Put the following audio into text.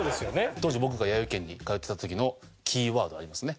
当時僕がやよい軒に通っていた時のキーワードありますね。